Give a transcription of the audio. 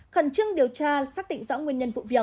khẩn trương điều tra xác định rõ nguyên nhân vụ việc